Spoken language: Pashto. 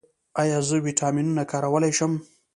ایا زه ویټامینونه کارولی شم؟